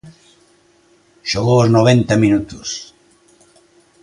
Xogou os noventa minutos.